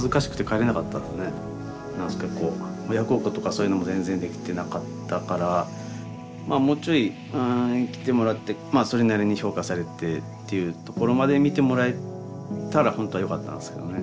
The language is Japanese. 親孝行とかそういうのも全然できてなかったからまあもうちょい生きてもらってそれなりに評価されてっていうところまで見てもらえたら本当はよかったんですけどね。